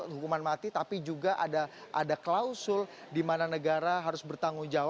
hukuman mati tapi juga ada klausul di mana negara harus bertanggung jawab